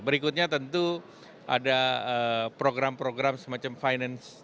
berikutnya tentu ada program program semacam finance